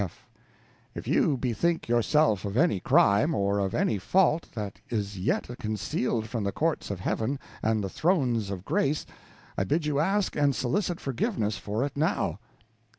F. If you bethink yourself of any crime, or of any fault, that is yet concealed from the courts of Heaven and the thrones of grace, I bid you ask and solicit forgiveness for it now.